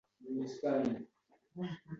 — General?